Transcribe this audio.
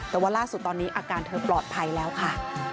แต่ว่าล่าสุดตอนนี้อาการเธอปลอดภัยแล้วค่ะ